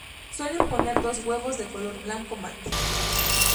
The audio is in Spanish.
Suelen poner dos huevos de color blanco mate.